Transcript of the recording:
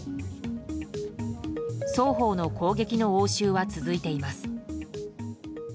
双方の攻撃の応酬は続いています。